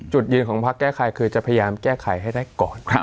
จุดยืนของพักแก้ไขคือจะพยายามแก้ไขให้ได้ก่อน